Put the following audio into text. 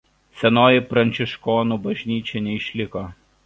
Senoji pranciškonų bažnyčia neišliko.